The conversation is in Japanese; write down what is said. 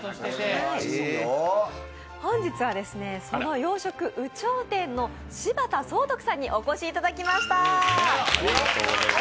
本日は、その洋食ウチョウテンの柴田倉徳さんにお越しいただきました。